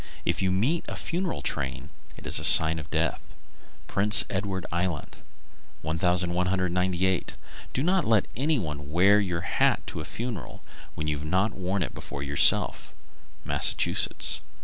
If you meet a funeral train, it is a sign of death. Prince Edward Island. 1198. Do not let any one wear your hat to a funeral when you've not worn it before yourself. _Massachusetts.